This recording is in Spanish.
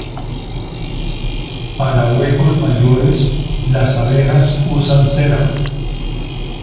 Para huecos mayores, las abejas usan cera.